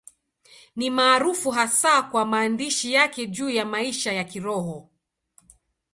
Ni maarufu hasa kwa maandishi yake juu ya maisha ya Kiroho.